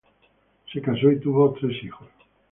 Se casó y tuvo tres hijos.